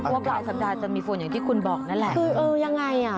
ว่าปลายสัปดาห์จะมีฝนอย่างที่คุณบอกนั่นแหละคือเออยังไงอ่ะ